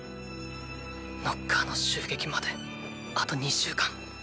ノッカーの襲撃まであと２週間。